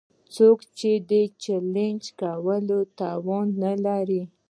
څوک يې د چلېنج کولو توان نه لري.